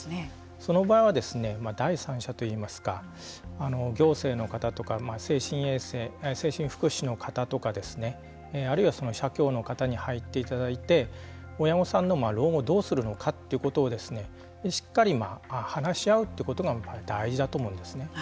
その場合は第三者といいますか行政の方とか精神福祉の方とかですねあるいは社協の方に入っていただいて親御さんの老後どうするのかということをしっかり話し合うということが大事だと思うんですね。